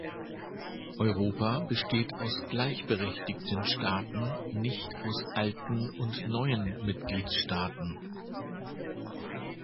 Europa besteht aus gleichberechtigten Staaten, nicht aus alten und neuen Mitgliedstaaten.